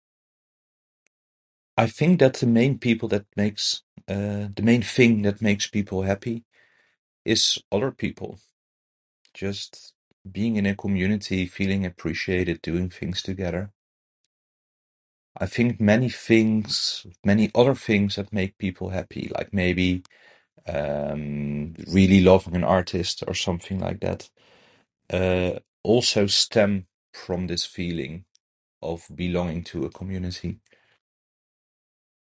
I think that the main people that makes... uh, the main thing that makes people happy is other people. Just being in a community, feeling appreciated, doing things together. I think many things, many other things that make people happy, like maybe, um, really love an artist or something like that, uh, also stem from this feeling of belonging to a community.